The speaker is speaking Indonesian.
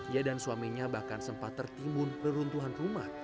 ia dan suaminya bahkan sempat tertimbun reruntuhan rumah